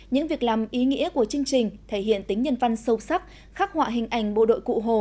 những việc làm ý nghĩa của chương trình thể hiện tính nhân văn sâu sắc khắc họa hình ảnh bộ đội cụ hồ